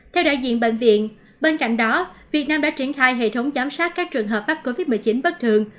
theo đại diện bệnh viện bên cạnh đó việt nam đã triển khai hệ thống giám sát các trường hợp mắc covid một mươi chín bất thường